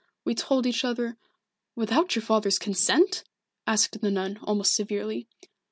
We told each other " "Without your father's consent?" asked the nun almost severely.